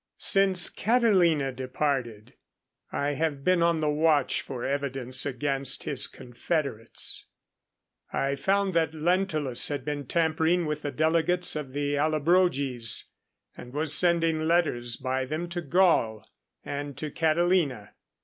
_Since Catilina departed, I have been on the watch for evidence against his confederates. I found that Lentulus had been tampering with the delegates of the Allobroges, and was sending letters by them to Gaul and to Catilina.